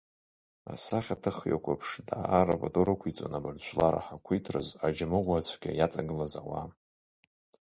Асахьаҭыхҩы қәыԥш даара пату рықәиҵон абарҭ ажәлар рхақәиҭразы аџьамыӷәа цәгьа иаҵагылаз ауаа.